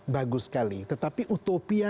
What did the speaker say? bagus sekali tetapi utopia